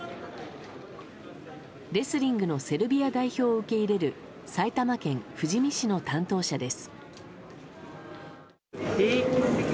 レスリングのセルビア代表を受け入れる埼玉県富士見市の担当者です。